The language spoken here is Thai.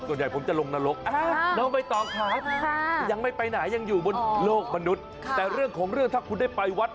อ๋ออออออออห์๋อารมณ์ประมาณนั้นเลยนะผมคุณแน่ใจเหรอว่าคุณคืนสนีก